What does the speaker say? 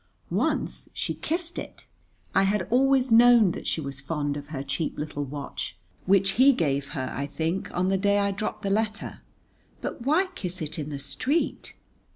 Once she kissed it. I had always known that she was fond of her cheap little watch, which he gave her, I think, on the day I dropped the letter, but why kiss it in the street?